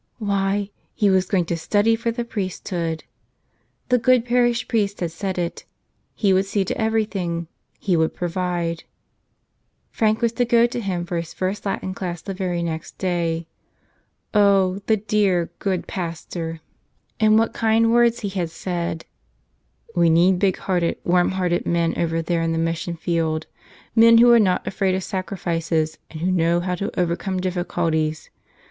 Why, he was going to study for the priesthood! The good parish priest had said it: he would see to everything, he would provide. Frank was to go to him for his first Latin class the very next day. Oh, the dear, good pastor! And what 57 'l "Tell Us Another!" kind words he had said ! "We need big hearted, warm¬ hearted men over there in the mission field, — men who are not afraid of sacrifices and who know how to overcome difficulties.